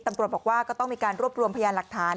ตำรวจบอกว่าก็ต้องมีการรวบรวมพยานหลักฐาน